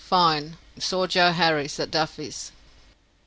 Fine. Saw Joe Harris at Duffys."